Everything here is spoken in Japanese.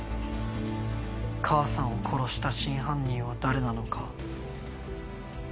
母さんを殺した真犯人は誰なのか。